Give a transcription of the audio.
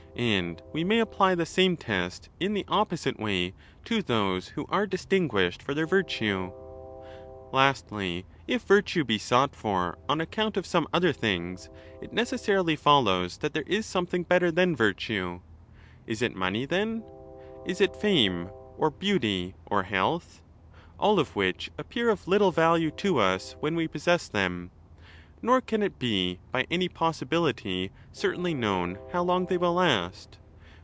And we may apply the same test in the opposite way to those who are distinguished for their virtue. Lastly, if virtue be sought for on account of some other things, it necessarily follows that there is something better than virtue. Is it money, then? is it fame, or beauty, or health ? all of which appear of little value to us when we possess them; nor can it be by any possibility certainly known how long they will last.